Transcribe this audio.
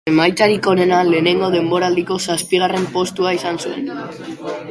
Emaitzarik onena lehenengo denboraldiko zazpigarren postua izan zuen.